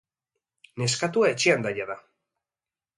Neskatoa etxean da jada.